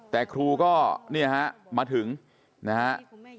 แต่ครูก็มาถึงนะครับ